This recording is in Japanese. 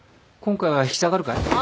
今回は引き下がるかい？